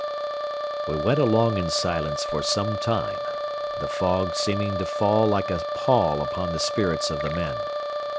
XI We went along in silence for some time, the fog seeming to fall like a pall upon the spirits of the men.